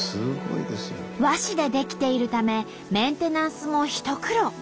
和紙で出来ているためメンテナンスも一苦労。